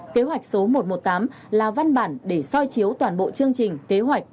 kế hoạch số một trăm một mươi tám là văn bản để soi chiếu toàn bộ chương trình kế hoạch